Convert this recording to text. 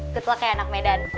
good luck ya anak medan